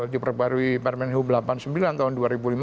diperbarui permen hub delapan puluh sembilan tahun dua ribu lima belas